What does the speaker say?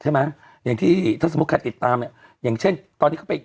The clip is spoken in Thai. อย่างที่ถ้าสมมุติใครติดตามเนี่ยอย่างเช่นตอนนี้เขาไป